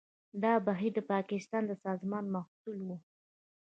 دا بهیر د پاکستان د سازمان محصول و.